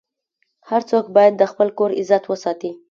هر څوک باید د خپل کور عزت وساتي.